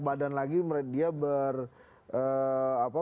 badan lagi dia